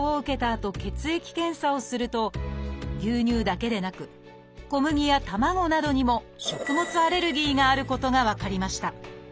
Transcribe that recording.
あと血液検査をすると牛乳だけでなく小麦や卵などにも食物アレルギーがあることが分かりました。